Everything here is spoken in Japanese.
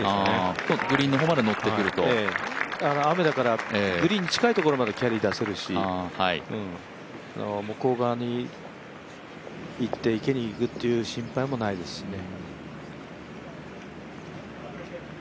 雨だからグリーンに近いところまでキャリー出せるし、向こう側に行って池に行くという心配もないですしね。